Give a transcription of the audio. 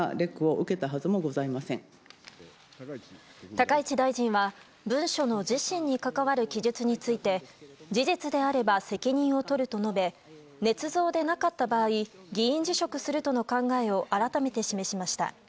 高市大臣は文書の自身に関わる記述について事実であれば責任を取ると述べねつ造でなかった場合議員辞職するとの考えを改めて示しました。